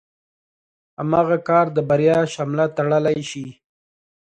هماغه کار د بريا شمله تړلی شي.